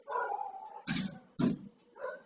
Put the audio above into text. โอ้โฮ